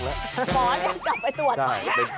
หมอนยังกลับไปตรวจใหม่